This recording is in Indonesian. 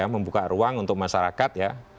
membuka ruang untuk masyarakat